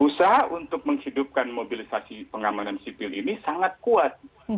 usaha untuk menghidupkan mobilisasi pengamanan sipil ini sangat kuat